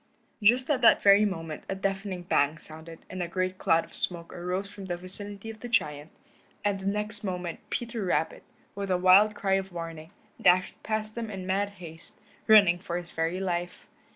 Just at that very moment a deafening bang sounded, and a great cloud of smoke arose from the vicinity of the giant, and the next moment Peter Rabbit, with a wild cry of warning, dashed past them in mad haste, running for his very life.